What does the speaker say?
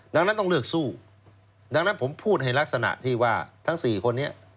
ดังนั้นต้องเลือกสู้ดังนั้นผมพูดให้ลักษณะที่ว่าทั้ง๔คนนี้